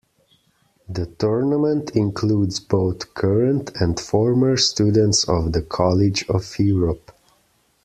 The tournament includes both current and former students of the College of Europe.